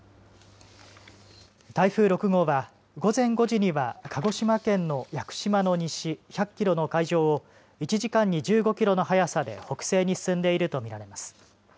台風６号は、午前５時には鹿児島県の屋久島の西１００キロの海上を１時間に１５キロの速さで北西に進んでいると見られます。